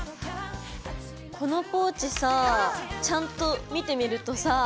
このポーチさちゃんと見てみるとさあ。